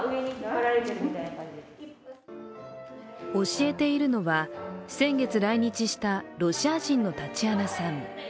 教えているのは、先月来日したロシア人のタチアナさん。